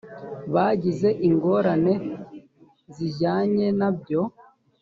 bagize ingorane zijyanye na byo